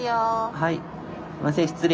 はい。